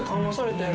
て